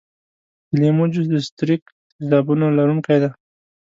د لیمو جوس د ستریک تیزابونو لرونکی دی.